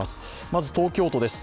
まず東京都です。